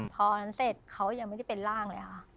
พออันนั้นเสร็จเขายังไม่ได้เป็นร่างเลยค่ะ